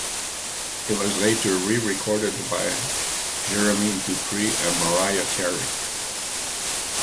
It was later re-recorded by Jermaine Dupri and Mariah Carey.